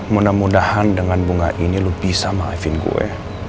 mudah mudahan dengan bunga ini lu bisa maafin gue